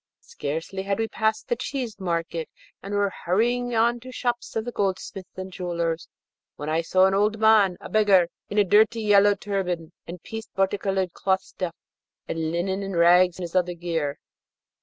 Scarcely had we passed the cheese market and were hurrying on to shops of the goldsmiths and jewellers, when I saw an old man, a beggar, in a dirty yellow turban and pieced particoloured cloth stuff, and linen in rags his other gear.